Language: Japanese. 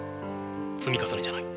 積み重ねじゃない。